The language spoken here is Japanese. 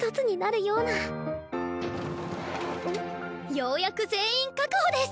ようやく全員確保です！